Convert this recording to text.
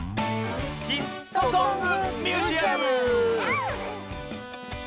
「ヒットソング・ミュージアム」！